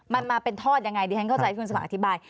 มันมาเป็นทอดยังไงดิฉันเข้าใจคุณสมัครอธิบาย